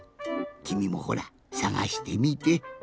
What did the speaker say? きみもほらさがしてみて。